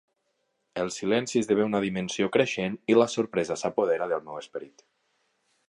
El silenci esdevé una dimensió creixent i la sorpresa s'apodera del meu esperit.